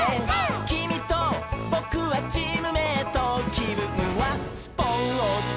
「きみとぼくはチームメイト」「きぶんはスポーツ」